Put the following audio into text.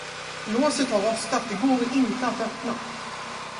Låset har rostat det går inte att öppna.